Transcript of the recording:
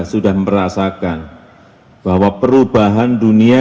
sudah merasakan bahwa perubahan dunia